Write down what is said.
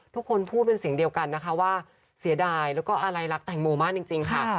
ทุกคนพูดเป็นเสียงเดียวกันนะคะว่าเสียดายแล้วก็อะไรรักแตงโมมากจริงค่ะ